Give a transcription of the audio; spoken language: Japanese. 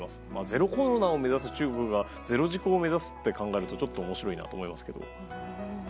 ゼロコロナを目指す中国がゼロ事故を目指すと考えるとちょっと面白いと思いますけど。